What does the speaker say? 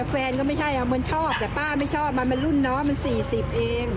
แฟนก็ไม่ใช่มันชอบแต่ป้าไม่ชอบมันเป็นรุ่นน้องมัน๔๐เอง